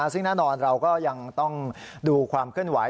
ซึ่งแน่นอนเราก็ยังต้องดูความเคลื่อนไหว